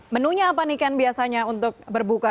menunya apa nih kan biasanya untuk berbuka